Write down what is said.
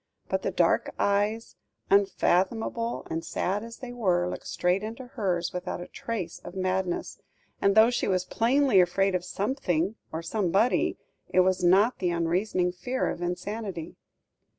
But the dark eyes, unfathomable and sad as they were, looked straight into hers without a trace of madness; and though she was plainly afraid of something or somebody, it was not the unreasoning fear of insanity.